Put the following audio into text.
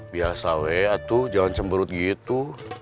biasa atuh jangan cemberut gitu